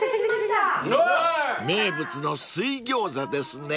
［名物の水餃子ですね］